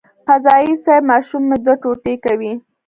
قاضي صیب ماشوم مه دوه ټوټې کوئ.